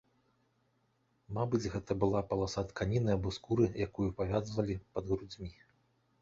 Мабыць, гэта была паласа тканіны або скуры, якую павязвалі пад грудзьмі.